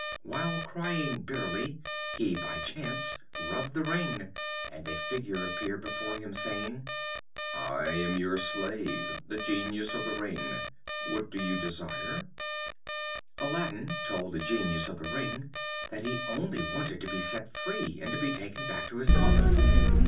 While crying bitterly, he by chance rubbed the ring, and a figure appeared before him, saying, "I am your slave, the Genius of the Ring; what do you desire?" Aladdin told the Genius of the Ring that he only wanted to be set free, and to be taken back to his mother.